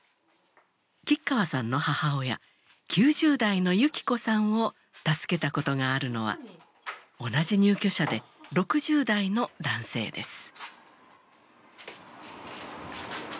吉川さんの母親９０代の幸子さんを助けたことがあるのは同じ入居者で６０代の男性です。